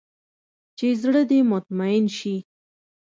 چې زړه دې مطمين سي.